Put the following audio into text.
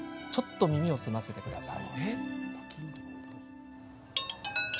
耳を澄ましてください。